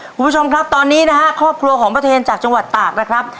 คุณผู้ชมครับตอนนี้นะฮะครอบครัวของป้าเทนจากจังหวัดตากนะครับ